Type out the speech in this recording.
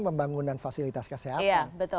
pembangunan fasilitas kesehatan